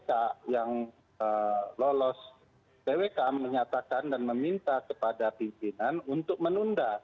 kpk yang lolos twk menyatakan dan meminta kepada pimpinan untuk menunda